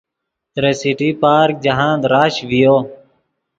ترے سٹی پارک جاہند رش ڤیو